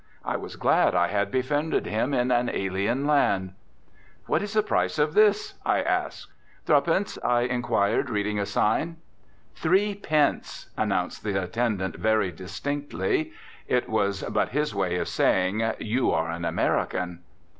I was glad I had befriended him in an alien land. "What is the price of this?" I asked. "Thri'pence?" I inquired, reading a sign. "Three pence," pronounced the attendant very distinctly. It was but his way of saying, "You are an American."